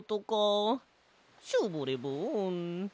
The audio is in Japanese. ショボレボン。